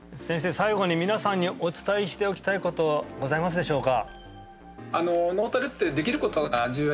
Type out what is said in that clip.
最後に皆さんにお伝えしておきたいことございますでしょうか？